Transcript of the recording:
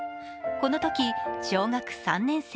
このとき、小学３年生。